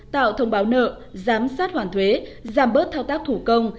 tạo thông báo nợ giám sát hoàn thuế giảm bớt thao tác thủ công